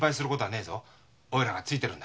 おいらがついてるんだ。